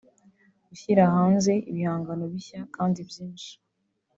Gushyira hanze ibihangano bishya kandi byinshi